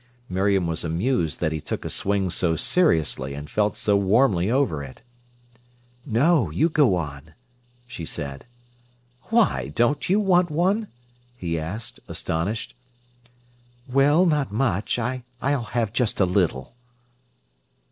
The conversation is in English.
Miriam was amused that he took a swing so seriously and felt so warmly over it. "No; you go on," she said. "Why, don't you want one?" he asked, astonished. "Well, not much. I'll have just a little."